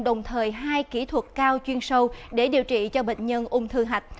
đồng thời hai kỹ thuật cao chuyên sâu để điều trị cho bệnh nhân ung thư hạch